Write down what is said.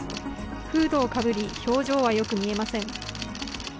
フードをかぶり、表情はよく見えません。